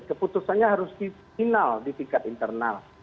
keputusannya harus di final di tingkat internal